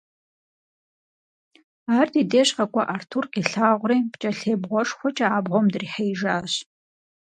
Ар ди деж къэкӀуа Артур къилъагъури пкӀэлъей бгъуэшхуэкӀэ абгъуэм дрихьеижащ.